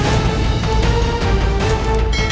aku seorang penakut